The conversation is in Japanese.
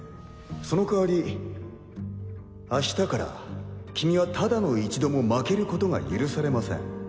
その代わり明日から君はただの一度も負けることが許されません